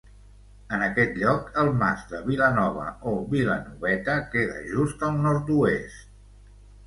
En aquest lloc, el Mas de Vilanova, o Vilanoveta, queda just al nord-oest.